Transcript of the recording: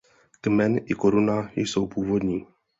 Kmen i koruna jsou původní.